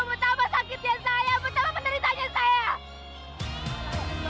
betapa sakitnya saya betapa penderitanya saya